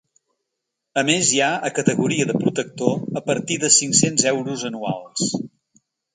A més, hi ha a categoria de protector, a partir de cinc-cents euros anuals.